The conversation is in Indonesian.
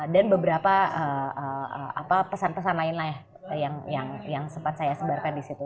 dan beberapa pesan pesan lain lah yang sempat saya sebarkan di situ